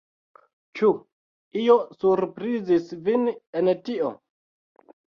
Ĉu io surprizis vin en tio?